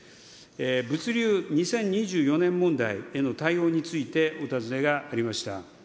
物流２０２４年問題対応についてお尋ねがありました。